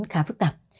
khá phức tạp